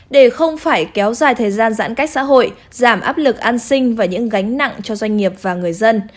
để không phải kéo dài thời gian giãn cách xã hội giảm áp lực an sinh và những gánh nặng cho doanh nghiệp và người dân